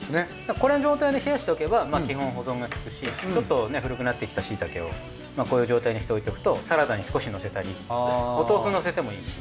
これの状態で冷やしておけば基本保存がきくしちょっと古くなってきたしいたけをこういう状態にして置いとくとサラダに少しのせたりお豆腐のせてもいいし。